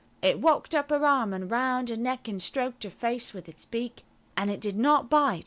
It walked up her arm and round her neck, and stroked her face with its beak. And it did not bite.